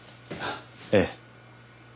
ええ。